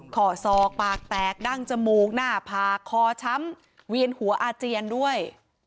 ข้อศอกปากแตกดั้งจมูกหน้าผากคอช้ำเวียนหัวอาเจียนด้วย